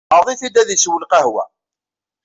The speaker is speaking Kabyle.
Teɛreḍ-it-id ad isew lqahwa.